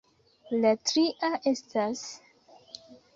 La tria estas...